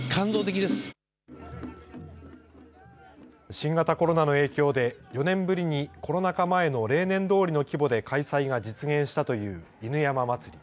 新型コロナの影響で４年ぶりにコロナ禍前の例年どおりの規模で開催が実現したという犬山祭。